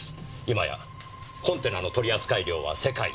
今やコンテナの取扱量は世界一。